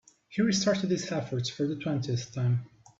He restarted his efforts for the twentieth time.